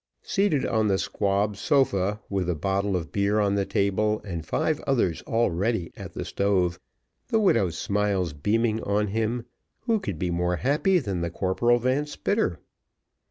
Seated on the squab sofa, with a bottle of beer on the table, and five others all ready at the stove, the widow's smiles beaming on him, who could be more happy than the Corporal Van Spitter?